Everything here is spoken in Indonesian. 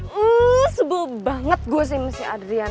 hmm sibuk banget gue sama si adriana